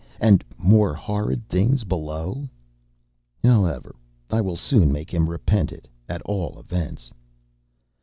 and more horrid things below? However, I will soon make him repent it, at all events.